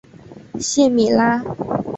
谢米拉。